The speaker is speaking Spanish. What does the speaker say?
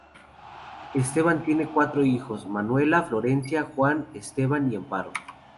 Esteban tiene cuatro hijos, Manuela, Florencia, Juan Esteban y Amparo.